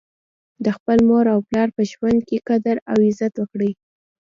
د خپل مور او پلار په ژوند کي قدر او عزت وکړئ